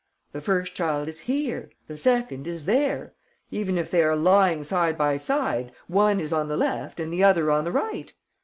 The first child is here, the second is there. Even if they are lying side by side, one is on the left and the other on the right.